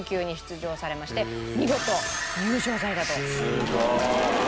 すごい！